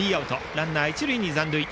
ランナーは一塁に残塁。